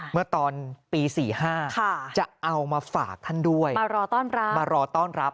เมื่อตอนปี๔๕จะเอามาฝากท่านด้วยมารอต้อนรับ